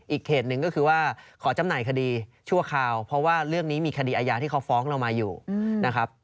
อีกเหตุหนึ่งก็คือว่าขอจำหน่ายคดีชั่วคราวเพราะว่าเรื่องนี้มีคดีอาญาที่เขาฟ้องเรามาอยู่นะครับ